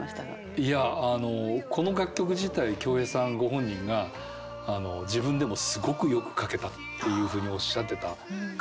いやあのこの楽曲自体京平さんご本人が自分でもすごくよく書けたというふうにおっしゃってた楽曲なんですね。